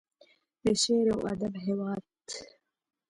د شعر او ادب هیواد.